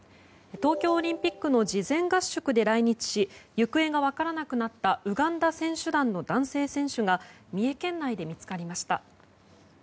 東京オリンピックの事前合宿で来日し行方が分からなくなったウガンダ選手団の男性選手が三重県内で見つかりました。